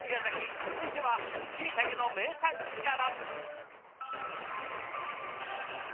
続いてはしいたけの名産地から。